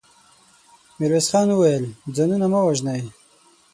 ميرويس خان وويل: ځانونه مه وژنئ.